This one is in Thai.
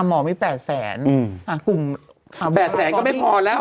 อ๋อหมอมี๘แสนกุมก็ไม่พอแล้ว